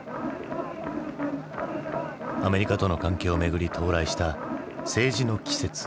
アメリカとの関係をめぐり到来した政治の季節。